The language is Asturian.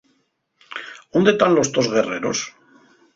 ¿Ónde tán los tos guerreros?